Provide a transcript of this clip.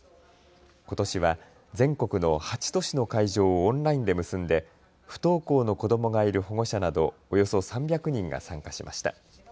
ことしは全国の８都市の会場をオンラインで結んで不登校の子どもがいる保護者などおよそ３００人が参加しました。